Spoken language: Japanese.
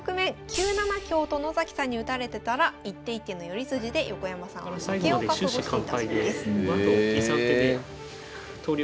９七香と野崎さんに打たれてたら一手一手の寄り筋で横山さんは負けを覚悟していたそうです。